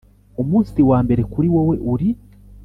umunsi wambere kuri wowe uri